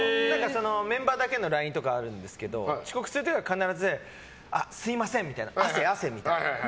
メンバーだけのＬＩＮＥとかがあるんですけど遅刻する時は必ず、すみません汗、汗みたいな。